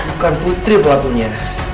bukan putri pelakunya